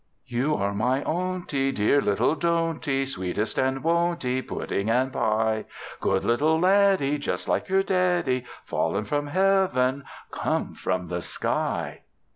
"You are my ownty, Dear little donty, Sweetest and wonty, Pudding and pie; Good little laddie, Just like your daddie. Fallen from Heaven, Come from the sky."